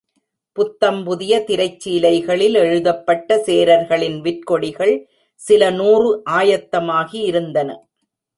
புத்தம்புதிய திரைச்சீலைகளில் எழுதப்பட்ட சேரர்களின் விற்கொடிகள் சில நூறு ஆயத்தமாகி இருந்தன.